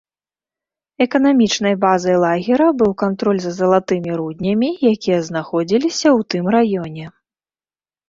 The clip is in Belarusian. Эканамічнай базай лагера быў кантроль за залатымі руднямі, якія знаходзіліся ў тым раёне.